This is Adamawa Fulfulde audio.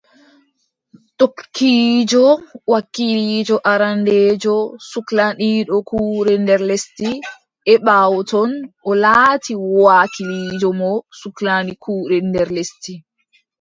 Tokkiijo wakiiliijo arandeejo suklaniiɗo kuuɗe nder lesdi, e ɓaawo ton, o laati wakiiliijo mo suklani kuuɗe nder lesdi .